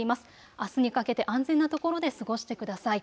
あすにかけて安全な所で過ごしてください。